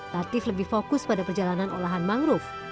latif lebih fokus pada perjalanan olahan mangrove